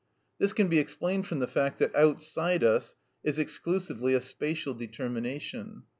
This can be explained from the fact that outside us is exclusively a spatial determination.